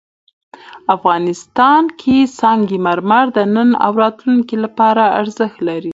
افغانستان کې سنگ مرمر د نن او راتلونکي لپاره ارزښت لري.